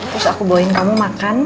terus aku bawain kamu makan